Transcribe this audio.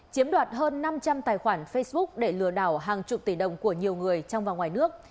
chiếm đoạt hơn năm trăm linh tài khoản facebook để lừa đảo hàng chục tỷ đồng của nhiều người trong và ngoài nước